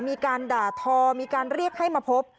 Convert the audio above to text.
มีการด่าทอมีการเรียกให้มาพบ